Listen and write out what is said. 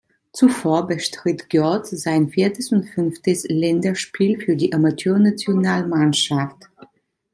Zuvor bestritt Görtz sein viertes und fünftes Länderspiel für die Amateurnationalmannschaft.